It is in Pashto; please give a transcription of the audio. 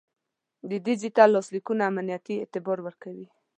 د ډیجیټل لاسلیکونه امنیتي اعتبار ورکوي.